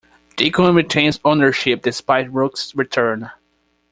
Deacon retains ownership despite Rook's return.